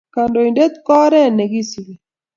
Kandoinatet ko oret ne kisubi